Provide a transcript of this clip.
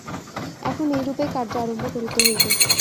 এখানে এইরূপেই কার্য আরম্ভ করিতে হইবে।